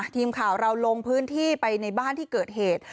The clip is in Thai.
ทีมข่าวเราลงพื้นที่ไปในบ้านที่เกิดเหตุ